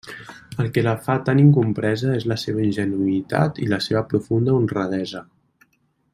El que la fa tan incompresa és la seva ingenuïtat i la seva profunda honradesa.